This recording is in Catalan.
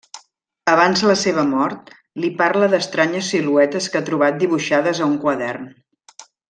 Abans la seva mort, li parla d'estranyes siluetes que ha trobat dibuixades a un quadern.